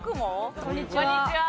こんにちは。